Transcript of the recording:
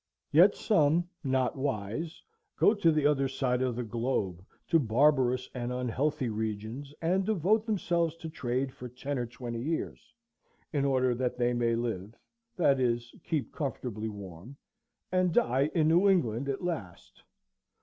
Yet some, not wise, go to the other side of the globe, to barbarous and unhealthy regions, and devote themselves to trade for ten or twenty years, in order that they may live,—that is, keep comfortably warm,—and die in New England at last.